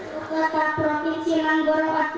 ibu kota provinsi manggoro aceh